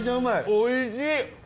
おいしい！